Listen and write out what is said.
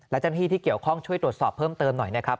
และเจ้าหน้าที่ที่เกี่ยวข้องช่วยตรวจสอบเพิ่มเติมหน่อยนะครับ